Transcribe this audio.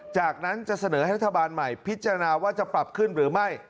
จากนั้นจะเสนอให้รัฐบาลใหม่พิจารณาว่าจะปรับขึ้นหรือไม่